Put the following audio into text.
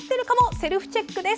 セルフチェックです。